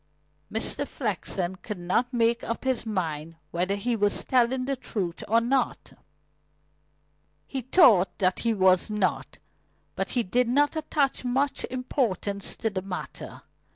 Mr. Flexen could not make up his mind whether he was telling the truth or not. He thought that he was not. But he did not attach much importance to the matter.